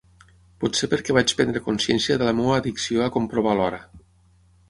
Potser perquè vaig prendre consciència de la meva addicció a comprovar l'hora.